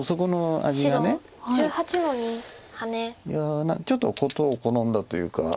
いやちょっと事を好んだというか。